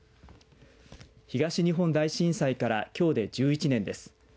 東日本大震災からきょうで１１年です。